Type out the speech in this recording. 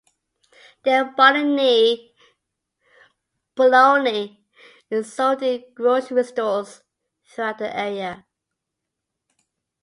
Yale bologna is sold in grocery stores throughout the area.